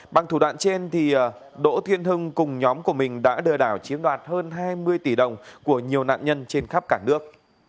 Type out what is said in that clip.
bằng thủ đoạn trên đỗ thiên hưng cùng nhóm của mình đã lừa đảo chiếm đoạt hơn hai mươi tỷ đồng của nhiều nạn nhân trên khắp cả nước